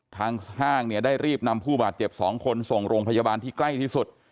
ห้างเนี่ยได้รีบนำผู้บาดเจ็บ๒คนส่งโรงพยาบาลที่ใกล้ที่สุด